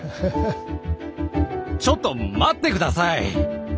ちょっと待って下さい！